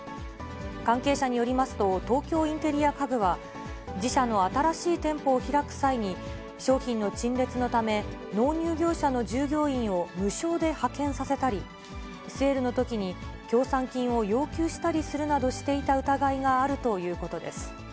関係者によりますと、東京インテリア家具は、自社の新しい店舗を開く際に、商品の陳列のため、納入業者の従業員を無償で派遣させたり、セールのときに協賛金を要求したりするなどしていた疑いがあるということです。